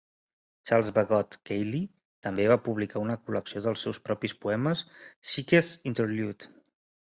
Charles Bagot Cayley també va publicar una col·lecció dels seus propis poemes, "Psyche's Interludes".